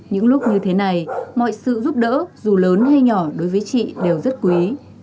những lúc như thế này mọi sự giúp đỡ dù lớn hay nhỏ đối với chị đều rất quý